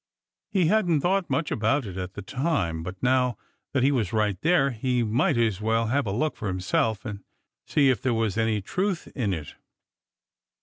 He hadn't thought much about it at the time, but now that he was right there, he might as well have a look for himself and see if there was any truth in it.